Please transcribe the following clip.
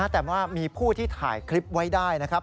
แต่ว่ามีผู้ที่ถ่ายคลิปไว้ได้นะครับ